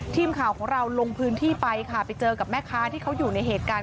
ทีมข่าวของเราลงพื้นที่ไปค่ะไปเจอกับแม่ค้าที่เขาอยู่ในเหตุการณ์